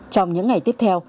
trong những ngày tiếp theo